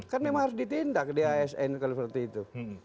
kan memang harus ditindak di asn kalau seperti itu